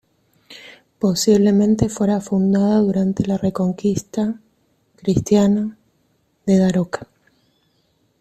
Posiblemente fuera fundada durante la reconquista cristiana de Daroca.